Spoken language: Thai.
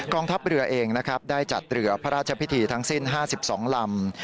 ทัพเรือเองนะครับได้จัดเรือพระราชพิธีทั้งสิ้น๕๒ลำ